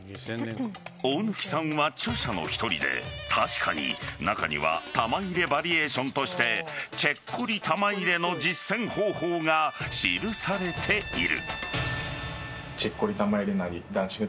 大貫さんは著者の１人で確かに中には玉入れバリエーションとしてチェッコリ玉入れの実践方法が記されている。